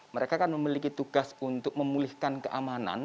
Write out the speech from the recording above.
mereka kan memiliki tugas untuk memulihkan keamanan